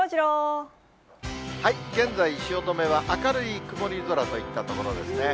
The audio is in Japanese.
現在、汐留は明るい曇り空といったところですね。